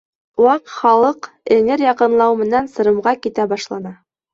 Ваҡ Халыҡ эңер яҡынлау менән сырымға китә башланы.